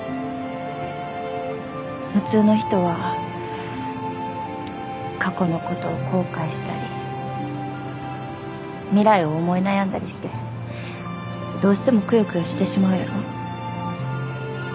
普通の人は過去のことを後悔したり未来を思い悩んだりしてどうしてもクヨクヨしてしまうやろ？